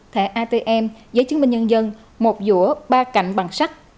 thẻ atm giấy chứng minh nhân dân một rũa ba cạnh bằng sắt